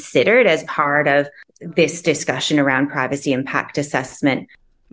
sebagai bagian dari diskusi tentang penilaian risiko privasi